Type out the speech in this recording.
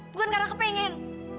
bukan karena kepengen